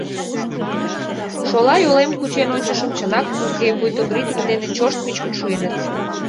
Шола йолем кучен ончышым: чынак, уке — пуйто бритве дене чошт пӱчкын шуэныт.